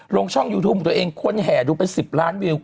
ลงช่องยูทูปของตัวเองคนแห่ดูเป็น๑๐ล้านวิว